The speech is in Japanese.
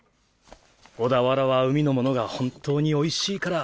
小田原は海のものが本当においしいから。